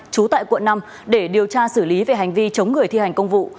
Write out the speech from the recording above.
trú tại quận năm để điều tra xử lý về hành vi chống người thi hành công vụ